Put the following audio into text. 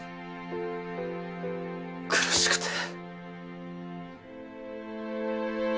苦しくて。